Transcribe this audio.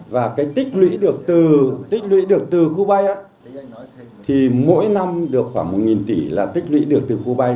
và cái tích lũy được từ khu bay thì mỗi năm được khoảng một tỷ là tích lũy được từ khu bay